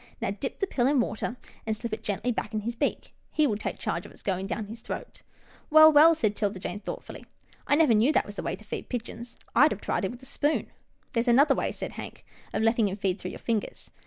Now dip the pill in water, and slip it gently back in his beak. He will take charge of its going down his throat." " Well, well," said 'Tilda Jane, thoughtfully, " I never knew that was the way to feed pigeons. I would have tried him with a spoon." " There's another way," said Hank, *^ of letting him feed through your fingers.